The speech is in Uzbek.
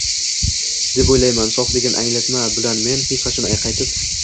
deb o‘ylayman. “Sof” degan anglatma bilan men, hech qachon qaytib